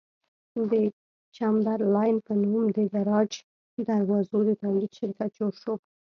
د چمبرلاین په نوم د ګراج دروازو د تولید شرکت جوړ شو.